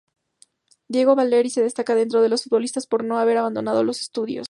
Diego Valeri se destaca dentro de los futbolistas por no haber abandonado los estudios.